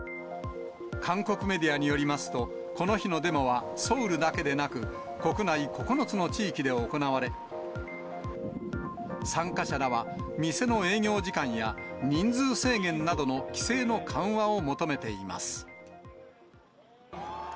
韓国メディアによりますと、この日のデモはソウルだけでなく、国内９つの地域で行われ、参加者らは店の営業時間や、人数制限などの規制の緩和を求めています。